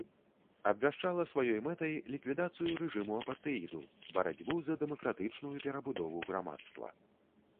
Абвяшчала сваёй мэтай ліквідацыю рэжыму апартэіду, барацьбу за дэмакратычную перабудову грамадства.